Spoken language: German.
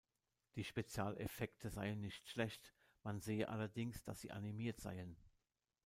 Die Spezialeffekte seien nicht schlecht, man sehe allerdings, dass sie animiert seien.